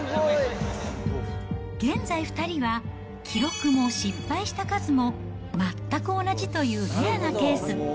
現在２人は記録も失敗した数も全く同じというレアなケース。